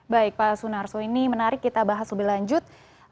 baik pak sunarso ini menarik kita bahas lebih lanjut